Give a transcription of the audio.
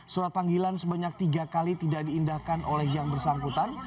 surat panggilan sebanyak tiga kali tidak diindahkan oleh yang bersangkutan